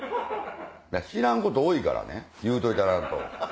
知らんこと多いからね言うといたらんと。